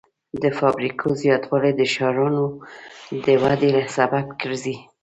د فابریکو زیاتوالی د ښارونو د ودې سبب ګرځي.